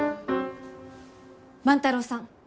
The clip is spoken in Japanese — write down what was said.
万太郎さん